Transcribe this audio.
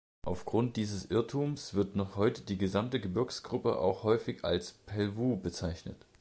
Aufgrund dieses Irrtums wird noch heute die gesamte Gebirgsgruppe auch häufig als Pelvoux bezeichnet.